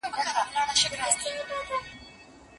د يار غمو په مخه کړی دا دی کال وهي